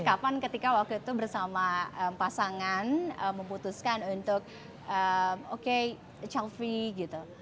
kapan ketika waktu itu bersama pasangan memutuskan untuk oke chelfie gitu